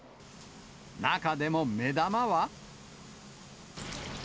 中でも目玉は。